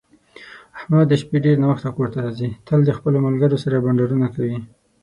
احمد د شپې ډېر ناوخته کورته راځي، تل د خپلو ملگرو سره بنډارونه کوي.